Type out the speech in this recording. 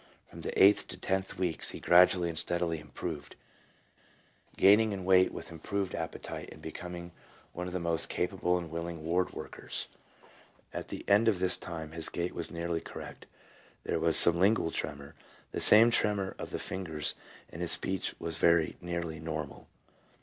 From the eighth to the tenth weeks he gradually and steadily improved, gaining in weight 276 PSYCHOLOGY OF ALCOHOLISM. with improved appetite, and becoming one of the most capable and willing of ward workers. At the end of this time his gait was nearly correct, there was some lingual tremor, the same tremor of the fingers, and his speech was very nearly normal.